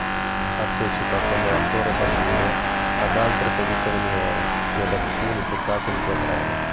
Partecipa come attore bambino ad altre pellicole minori e ad alcuni spettacoli teatrali.